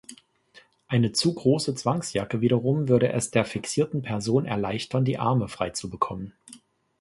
Eine zu große Zwangsjacke wiederum würde es der fixierten Person erleichtern, die Arme freizubekommen.